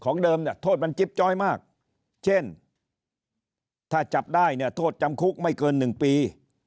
เดิมเนี่ยโทษมันจิ๊บจ้อยมากเช่นถ้าจับได้เนี่ยโทษจำคุกไม่เกิน๑ปี